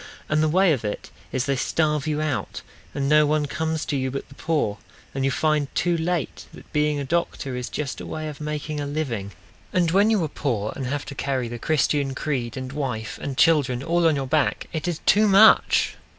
And the way of it is they starve you out. And no one comes to you but the poor. And you find too late that being a doctor Is just a way of making a living. And when you are poor and have to carry The Christian creed and wife and children All on your back, it is too much!